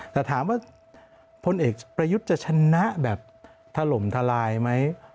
แต่ถามว่าพลเอกประยุทธ์จะชนะแบบถล่มทลายไหม